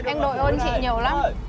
em nội ơn chị nhiều lắm